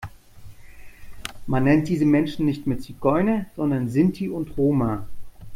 Man nennt diese Menschen nicht mehr Zigeuner, sondern Sinti und Roma.